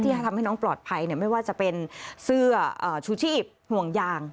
จะทำให้น้องปลอดภัยไม่ว่าจะเป็นเสื้อชูชีพห่วงยาง